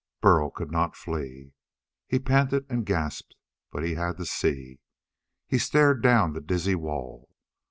Burl could not flee. He panted and gasped, but he had to see. He stared down the dizzy wall.